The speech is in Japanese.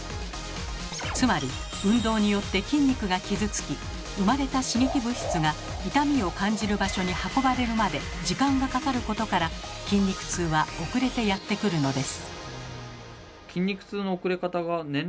つまり運動によって筋肉が傷つき生まれた刺激物質が痛みを感じる場所に運ばれるまで時間がかかることから筋肉痛は遅れてやってくるのです。